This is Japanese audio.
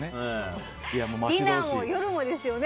ディナーも、夜もですよね